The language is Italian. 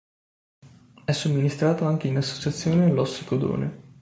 È somministrato anche in associazione all'ossicodone.